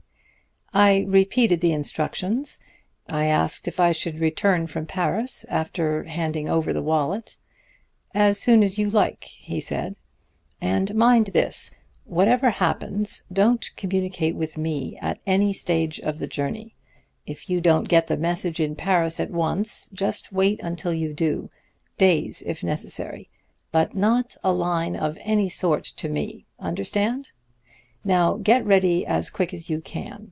"I repeated the instructions. I asked if I should return from Paris after handing over the wallet. 'As soon as you like,' he said. 'And mind this whatever happens, don't communicate with me at any stage of the journey. If you don't get the message in Paris at once, just wait until you do days, if necessary. But not a line of any sort to me. Understand? Now get ready as quick as you can.